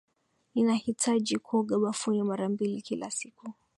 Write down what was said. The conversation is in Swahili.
Ninahitaji kuoga bafuni mara mbili kila siku.